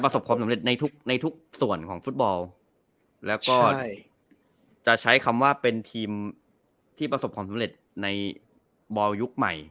ส่วนของฟุตบอลแล้วก็จะใช้คำว่าเป็นทีมที่ประสบความสำเร็จในบอลยุคใหม่